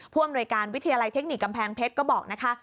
อำนวยการวิทยาลัยเทคนิคกำแพงเพชรก็บอกนะคะ